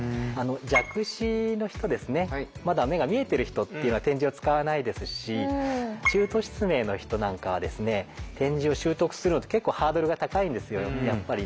弱視の人ですねまだ目が見えてる人っていうのは点字を使わないですし中途失明の人なんかはですね点字を習得するのって結構ハードルが高いんですよやっぱりね。